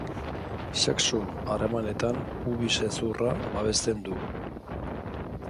Sexu harremanetan pubis-hezurra babesten du.